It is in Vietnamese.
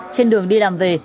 trên đường đi đàm về